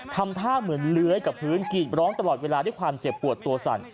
ทำท่าเหมือนเลื้อยกับพื้นกรีดร้องตลอดเวลาด้วยความเจ็บปวดตัวสั่น